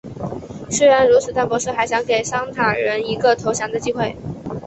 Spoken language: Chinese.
虽然如此但博士还想给桑塔人一个投降的机会。